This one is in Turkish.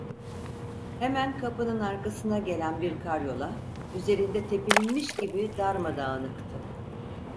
Hemen kapının arkasına gelen bir karyola, üzerinde tepinilmiş gibi darmadağınıktı.